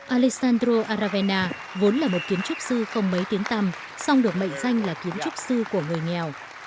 alessandro aravena vốn là một kiến trúc sư không mấy tiếng tăm xong được mệnh danh là kiến trúc sư của người nghèo